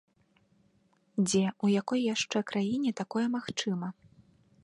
Дзе, у якой яшчэ краіне такое магчыма?